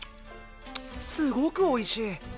すごくおいしい。